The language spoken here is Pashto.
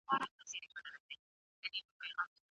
فشار د انسان چلند بدلوي.